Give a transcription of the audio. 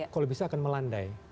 kalau bisa akan melandai